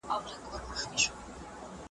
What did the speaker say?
په ټولنه کي د فساد مخه بايد ونيول سي.